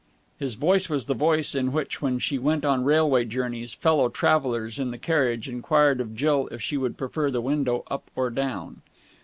His voice was the voice in which, when she went on railway journeys, fellow travellers in the carriage enquired of Jill if she would prefer the window up or down.